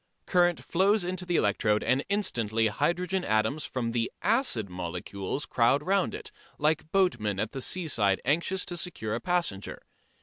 Current flows into the electrode and instantly hydrogen atoms from the acid molecules crowd round it, like boatmen at the seaside anxious to secure a passenger.